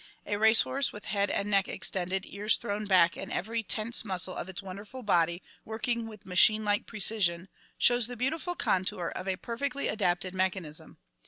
A race horse with head and neck extended, ears thrown back, and every tense muscle of its wonderful body working with machine like precision, shows the beautiful contour of a perfectly adapted mechanism.